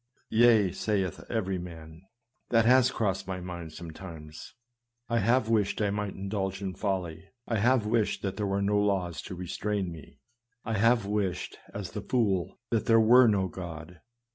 " Yea," saith every man ;" that has crossed my mind sometimes. I have wished I might indulge in folly ; I have wished there were no laws to restrain me ; I have wished, as the fool, that there were no God."